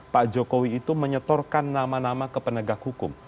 pak jokowi itu menyetorkan nama nama ke penegak hukum